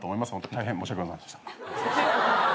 大変申し訳ございませんでした。